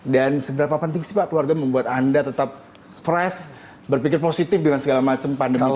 dan seberapa penting sih pak keluarga membuat anda tetap fresh berpikir positif dengan segala macam pandemi tadi itu